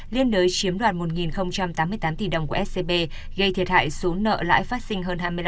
liên đối chiếm đoạt một tám mươi tám tỷ đồng của scb gây thiệt hại số nợ lãi phát sinh hơn hai mươi năm